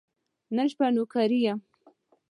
نن شپه نوکري یم .